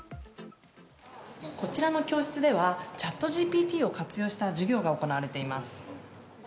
こちらの教室ではＣｈａｔＧＰＴを活用した授業が行われています。